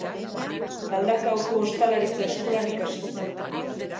Galdakaoko Ostalaritza Eskolan ikasi zuen.